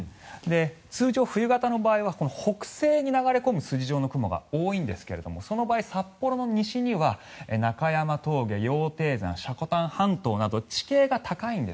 通常、冬型の場合は北西に流れ込む筋状の雲が多いんですけどもその場合、札幌の西には中山峠、羊蹄山、積丹半島など地形が高いんです。